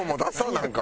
なんか。